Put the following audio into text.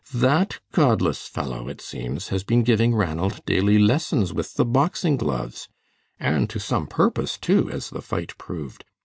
That godless fellow, it seems, has been giving Ranald daily lessons with the boxing gloves, and to some purpose, too, as the fight proved.